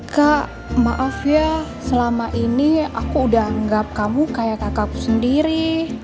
kak maaf ya selama ini aku udah anggap kamu kayak kakakku sendiri